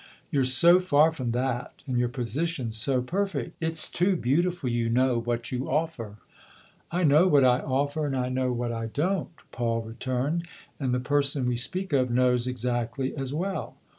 You're so far from that, and your position's so perfect. It's too beautiful, you know, what you offer." " I know what I offer and I know what I don't," Paul returned ;" and the person we speak of knows exactly as well.